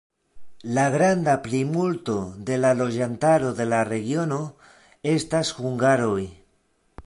La granda plimulto de la loĝantaro de la regiono estas hungaroj.